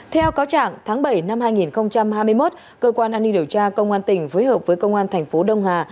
theo cáo trạng tháng bảy năm hai nghìn hai mươi một cơ quan an ninh điều tra công an tỉnh phối hợp với công an thành phố đông hà